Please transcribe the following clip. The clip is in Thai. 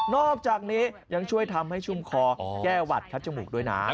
อกจากนี้ยังช่วยทำให้ชุ่มคอแก้หวัดคัดจมูกด้วยนะ